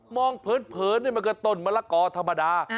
มองเพิ่นมันก็ต้นมะละกอธรรมดา